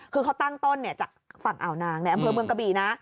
คือเขาตั้งต้นจากฝั่งอ่าวนางในอำเภอเมืองกะบีนะ